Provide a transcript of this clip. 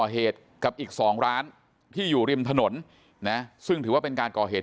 เหตุกับอีก๒ร้านที่อยู่ริมถนนนะซึ่งถือว่าเป็นการก่อเหตุ